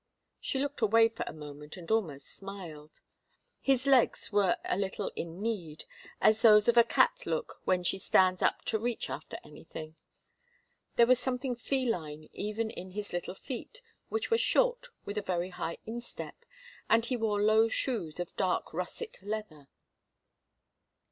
She looked away for a moment and almost smiled. His legs were a little in kneed, as those of a cat look when she stands up to reach after anything. There was something feline even in his little feet, which were short with a very high instep, and he wore low shoes of dark russet leather.